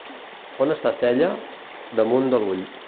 On està Sella? —Damunt de l'ull.